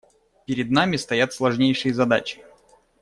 Перед нами стоят сложнейшие задачи.